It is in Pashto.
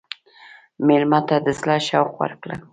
مېلمه ته د زړه شوق ورکړه.